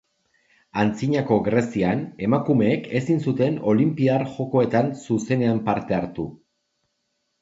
Antzinako Grezian emakumeek ezin zuten Olinpiar Jokoetan zuzenean parte hartu.